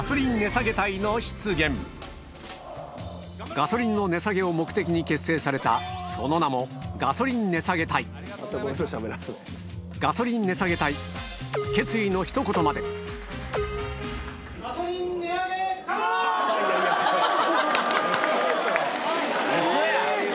ガソリンの値下げを目的に結成されたその名もガソリン値下げ隊決意のひと言までウソや！